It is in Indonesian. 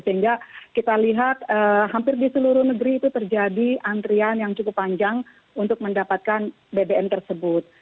sehingga kita lihat hampir di seluruh negeri itu terjadi antrian yang cukup panjang untuk mendapatkan bbm tersebut